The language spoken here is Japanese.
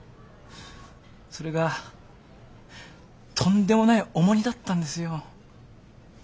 それがとんでもない重荷だったんですよ。